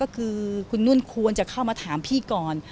ก็คือคุณนุ่นควรจะเข้ามาถามพี่ก่อน